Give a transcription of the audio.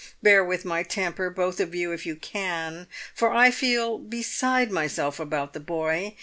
Bear with my temper, both of you, if you can, for I feel beside myself about the boy!